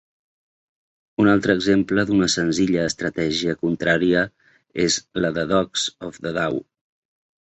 Un altre exemple d'una senzilla estratègia contraria és la de Dogs of the Dow.